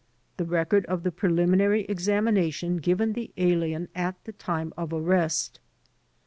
The record of the preliminary examination given the alien at the time of arrest.